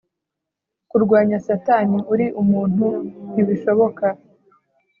kurwanya satani uri umuntu ntibishoboka